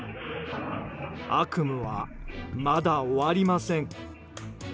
悪夢はまだ終わりません。